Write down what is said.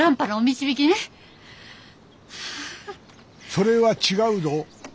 それは違うぞ。